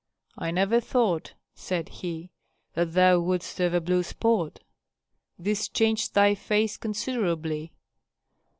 "I never thought," said he, "that thou wouldst have a blue spot. This changed thy face considerably."